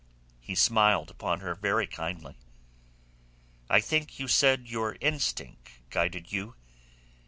He smiled upon her very kindly. "I think you said your instinct guided you.